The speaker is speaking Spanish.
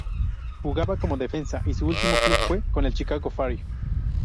Jugaba como Defensa y su último club fue con el Chicago Fire.